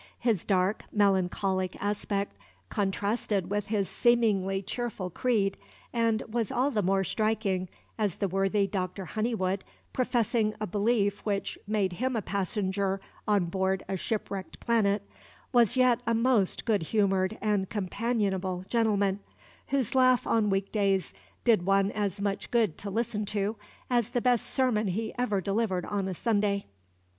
His dark, melancholic aspect contrasted with his seemingly cheerful creed, and was all the more striking, as the worthy Dr. Honeywood, professing a belief which made him a passenger on board a shipwrecked planet, was yet a most good humored and companionable gentleman, whose laugh on week days did one as much good to listen to as the best sermon he ever delivered on a Sunday.